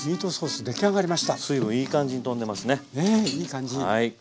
ねいい感じ。